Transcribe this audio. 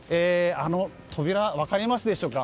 扉、分かりますでしょうか。